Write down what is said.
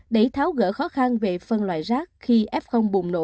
để tháo gỡ khó khăn về phân loại rác khi f bùng nổ